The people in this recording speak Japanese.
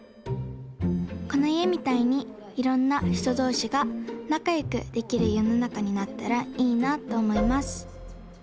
このいえみたいにいろんなひとどうしがなかよくできるよのなかになったらいいなとおもいます。